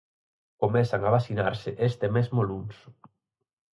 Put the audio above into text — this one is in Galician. Comezan a vacinarse este mesmo luns.